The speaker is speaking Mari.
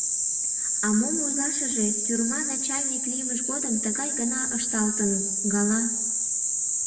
А мом ойлашыже — тюрьма начальник лиймыж годым тыгай гына ышталтын гала...